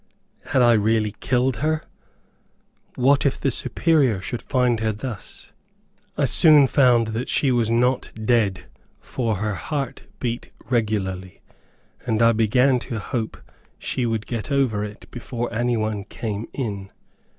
Had I really killed her? What if the Superior should find her thus? I soon found that she was not dead, for her heart beat regularly, and I began to hope she would get over it before any one came in.